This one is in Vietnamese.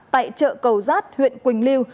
tại chợ cầu giát huyện quỳnh liêu